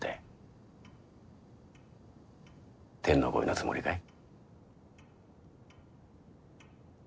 天の声のつもりかい？